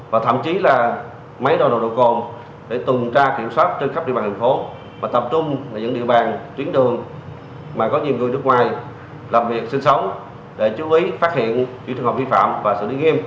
và thậm chí là máy đo nồng độ cồn để tuần tra kiểm soát trên khắp địa bàn thành phố và tập trung ở những địa bàn tuyến đường mà có nhiều người nước ngoài làm việc sinh sống để chú ý phát hiện những trường hợp vi phạm và xử lý nghiêm